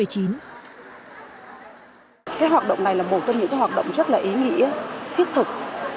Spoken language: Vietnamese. cái hoạt động này là một trong những hoạt động rất là ý nghĩa thiết thực